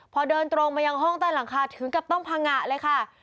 พอเดินตรงมายังห้องใต้หลังคาถึงกับต้องพังงะเลยค่ะ